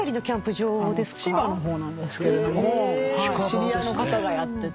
知り合いの方がやってて。